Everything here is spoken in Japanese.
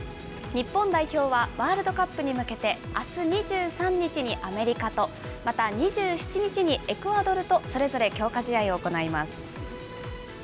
日本代表はワールドカップに向けて、あす２３日にアメリカと、また２７日にエクアドルとそれぞれ強化試合を行います。